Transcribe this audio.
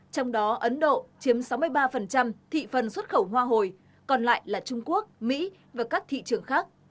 trong đó ấn độ chiếm sáu mươi ba thị phần xuất khẩu hoa hồi còn lại là trung quốc mỹ và các thị trường khác